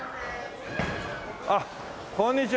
あっこんにちは。